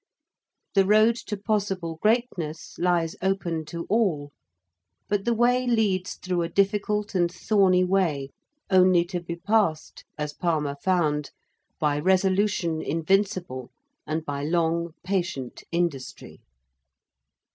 The road to possible greatness lies open to all, but the way leads through a difficult and thorny way only to be passed, as Palmer found, by resolution invincible and by long patient industry.